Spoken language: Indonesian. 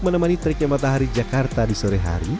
menemani teriknya matahari jakarta di sore hari